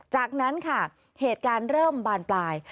จากนั้นค่ะเหตุการณ์เริ่มบานปลาย